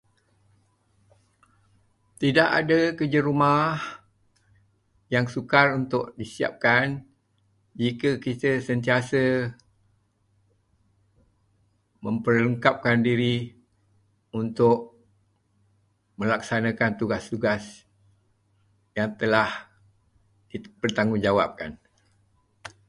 Tidak ada kerja rumah yang sukar untuk disiapkan jika kita sentiasa memperlengkapkan diri untuk melaksanakan tugas-tugas yang telah dipertanggungjawabkan.